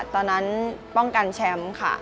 ตอนนั้นป้องกันแชมป์ค่ะ